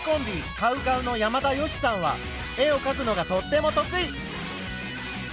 ＣＯＷＣＯＷの山田善しさんは絵をかくのがとっても得意。